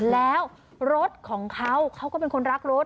แล้วรถของเขาเขาก็เป็นคนรักรถ